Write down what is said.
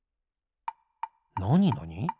なになに？